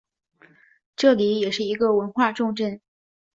这里也是一个文化重镇。